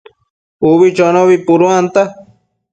Ubi chonobi puduanta